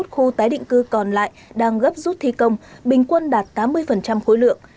hai mươi khu tái định cư còn lại đang gấp rút thi công bình quân đạt tám mươi khối lượng